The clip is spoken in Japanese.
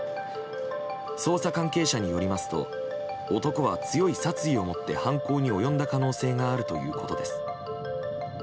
捜査関係者によりますと男は強い殺意を持って犯行に及んだ可能性があるということです。